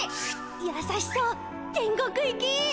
やさしそう天国行き！